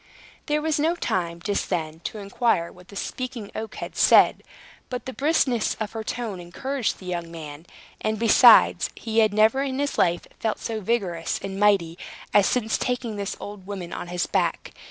There was no time, just then, to inquire what the Speaking Oak had said. But the briskness of her tone encouraged the young man; and, besides, he had never in his life felt so vigorous and mighty as since taking this old woman on his back.